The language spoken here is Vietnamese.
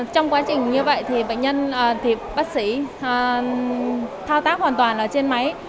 trong quá trình như vậy thì bệnh nhân thì bác sĩ thao tác hoàn toàn ở trên máy